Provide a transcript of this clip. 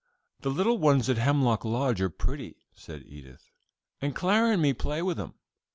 "The little cones at Hemlock Lodge are pretty," said Edith, "and Clara and me play with 'em.